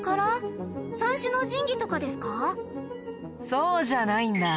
そうじゃないんだ。